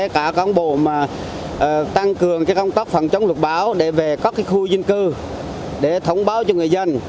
các công tác phản chống luật báo để về các khu dân cư để thông báo cho người dân